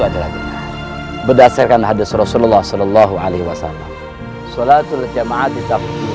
adalah benar berdasarkan hadits rasulullah shallallahu alaihi wasallam sholatul jam'at